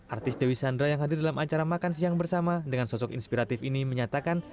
artis dewi sandra yang hadir dalam acara makan siang bersama dengan sosok inspiratif ini menyatakan